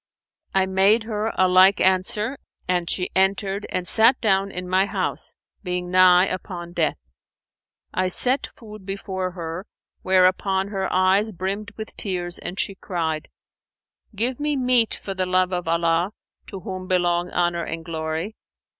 I made her a like answer, and she entered and sat down in my house being nigh upon death. I set food before her, whereupon her eyes brimmed with tears and she cried, 'Give me meat for the love of Allah, to whom belong Honour and Glory!'